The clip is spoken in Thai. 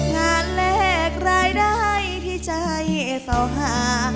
มันแหลกรายได้ที่ใจเศร้าหา